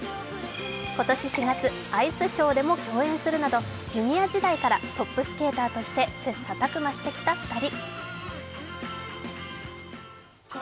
今年４月、アイスショーでも共演するなどジュニア時代からトップスケーターとして切磋琢磨してきた２人。